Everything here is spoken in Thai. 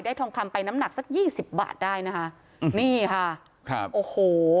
ทองคำไปน้ำหนักสักยี่สิบบาทได้นะคะอืมนี่ค่ะครับโอ้โห